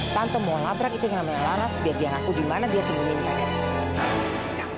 tante mau labrak itu yang namanya laras biar dia ngaku di mana dia sembunyiin kaget